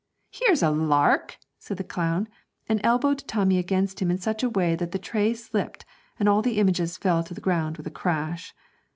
'Here's a lark!' said the clown, and elbowed Tommy against him in such a way that the tray slipped and all the images fell to the ground with a crash.